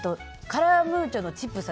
カラムーチョチップス。